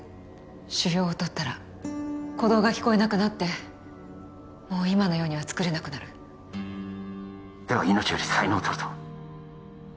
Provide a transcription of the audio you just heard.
腫瘍をとったら鼓動が聞こえなくなってもう今のようには作れなくなるでは命より才能を取ると？